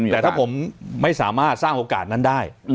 แต่ถ้าผมไม่สามารถสร้างโอกาสนั้นได้